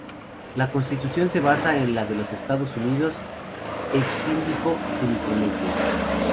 La constitución se basa en la de los Estados Unidos, ex síndico de Micronesia.